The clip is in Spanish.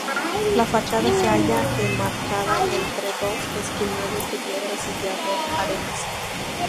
La fachada se halla enmarcada entre dos esquinales de piedra sillar de arenisca.